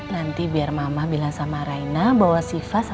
nanti biar mama bilang sama raina bawa siva sama dava ke sini ya